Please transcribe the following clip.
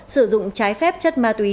sử dụng trái phép chân ma túy